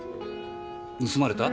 盗まれた？